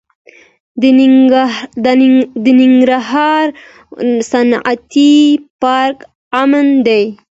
د ننګرهار صنعتي پارک امن دی؟